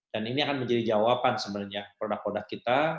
dan ini akan menjadi jawaban sebenarnya produk produk kita